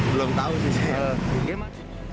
belum tahu sih saya